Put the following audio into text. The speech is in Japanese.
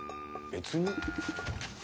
別に？